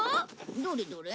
どれどれ。